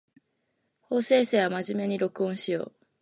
法政生は真面目に録音しよう